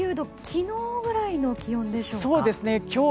昨日ぐらいの気温ですか？